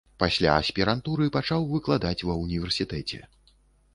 Пасля аспірантуры пачаў выкладаць ва ўніверсітэце.